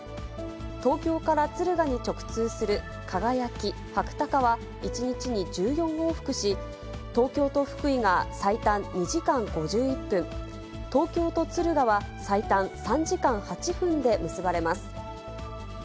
東京から敦賀に直通するかがやき、はくたかは、１日に１４往復し、東京と福井が最短２時間５１分、東京と敦賀は最短３時間８分で結ばれます。